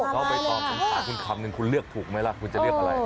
ก็ไปตอบหาคุณคำหนึ่งคุณเลือกถูกไหมล่ะคุณจะเลือกอะไร